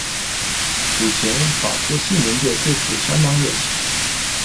此前，法国新闻界对此相当热情。